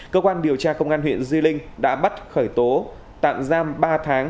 cơ quan điều tra công an huyện di linh đã bắt khởi tố tạm giam ba tháng